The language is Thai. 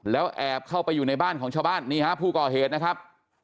แล้วแอบเข้าไปอยู่ในบ้านของชาวบ้านนี่ฮะผู้ก่อเหตุนะครับ